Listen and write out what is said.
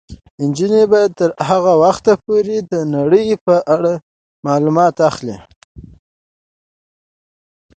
نجونې به تر هغه وخته پورې د نړۍ په اړه معلومات اخلي.